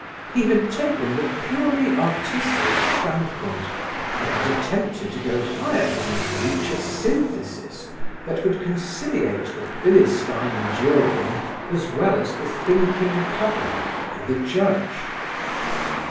He had taken the purely artistic standpoint, had not attempted to go higher and reach a synthesis which would conciliate the Philistine jurymen as well as the thinking public, and the Judge.